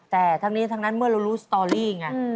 แต่ทั้งนี้ทั้งนั้นเมื่อเรารู้สตอรี่ไง